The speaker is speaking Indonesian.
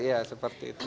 iya seperti itu